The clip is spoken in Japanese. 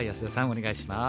お願いします。